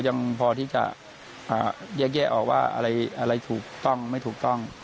ยังพอที่จะแยกแยะออกว่าอะไรถูกต้องไม่ถูกต้อง